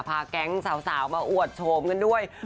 พาแก๊งสาวมาอวดโฉมกันด้วย